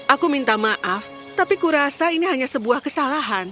aku minta maaf tapi kurasa ini hanya sebuah kesalahan